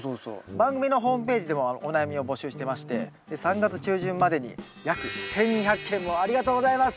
番組のホームページでもお悩みを募集してまして３月中旬までにありがとうございます！